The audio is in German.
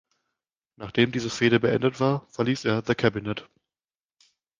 Nachdem diese Fehde beendet war, verließ er "The Cabinet".